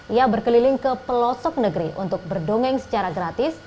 ia berkeliling ke pelosok negeri untuk berdongeng secara gratis